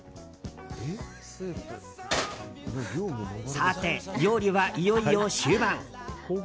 さて、料理はいよいよ終盤。